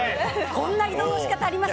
こんな移動のしかたあります